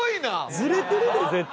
ズレてるで絶対。